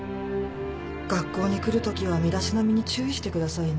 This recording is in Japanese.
学校に来るときは身だしなみに注意してくださいね。